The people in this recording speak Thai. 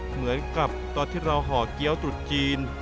เหมือนกับตอนที่เราห่อเกี้ยวตรุษจีน